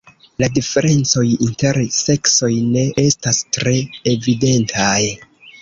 La diferencoj inter seksoj ne estas tre evidentaj.